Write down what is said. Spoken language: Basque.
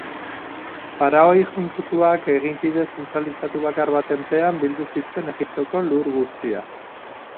Faraoi jainkotuak aginpide zentralizatu bakar baten pean bildu zituen Egiptoko lur guztiak.